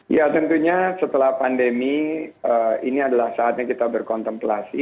ya tentunya setelah pandemi ini adalah saatnya kita berkontemplasi